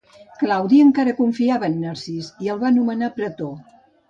Claudi encara confiava en Narcís i el va nomenar pretor.